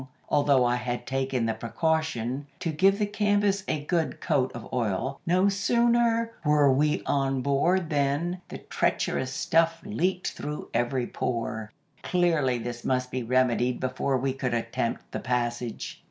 Although I had taken the precaution to give the canvas a good coat of oil, no sooner were we on board than, the treacherous stuff leaked through every pore. Clearly this must be remedied before we could attempt the passage.